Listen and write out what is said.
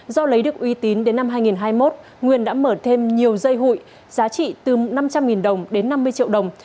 do lấy được uy tín đến năm hai nghìn hai mươi một nguyên đã mở thêm nhiều dây hụi giá trị từ năm trăm linh đồng đến năm mươi triệu đồng